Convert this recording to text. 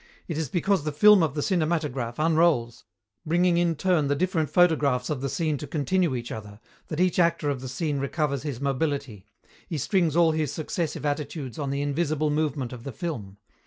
It is because the film of the cinematograph unrolls, bringing in turn the different photographs of the scene to continue each other, that each actor of the scene recovers his mobility; he strings all his successive attitudes on the invisible movement of the film.